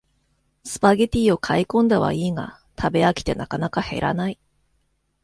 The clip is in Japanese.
スパゲティを買いこんだはいいが食べ飽きてなかなか減らない